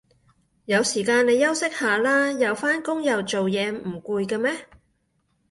有時間你休息下啦，又返工又做嘢唔攰嘅咩